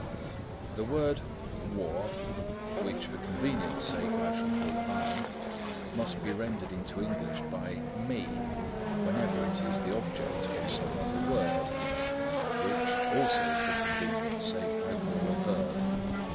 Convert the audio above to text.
The word 我 wo, which for convenience' sake I call "I," must be rendered into English by "me" whenever it is the object of some other word, which, also for convenience' sake, I call a verb.